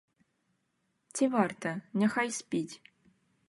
Ці варта, няхай спіць.